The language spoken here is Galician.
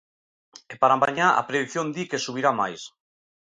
E para mañá a predición di que subirá máis.